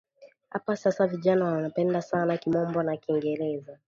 Apa sasa vijana wanapenda sana kimombo na kingereza